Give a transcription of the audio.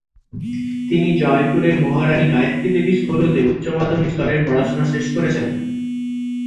তিনি জয়পুরের মহারাণী গায়ত্রী দেবী স্কুল হতে উচ্চমাধ্যমিক স্তরের পড়াশোনা শেষ করেছেন।